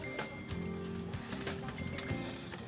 menggunakan whatsapp atau sms